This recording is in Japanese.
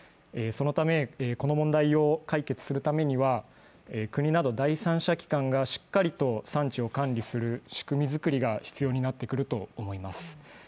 そのため、この問題を解決するためには国など第三者機関がしっかりと産地を関する仕組み作りが必要になってくると思います。